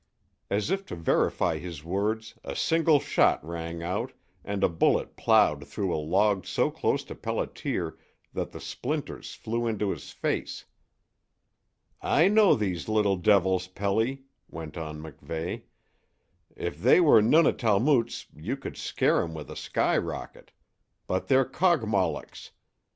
As if to verify his words a single shot rang out and a bullet plowed through a log so close to Pelliter that the splinters flew into his face. "I know these little devils, Pelly," went on MacVeigh. "If they were Nuna talmutes you could scare 'em with a sky rocket. But they're Kogmollocks.